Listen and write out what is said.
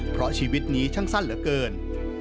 เพราะชีวิตนี้ช่างสั้นเหลือเกิน